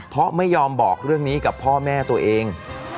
เพราะไม่ยอมบอกเรื่องนี้กับพ่อแม่ตัวเอง